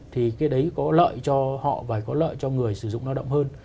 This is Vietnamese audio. thì cái đấy có lợi cho họ và có lợi cho người sử dụng lao động hơn